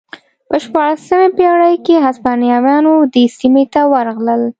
په شپاړسمې پېړۍ کې هسپانویان دې سیمې ته ورغلل.